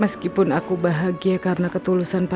meskipun aku bahagia karena ketulusan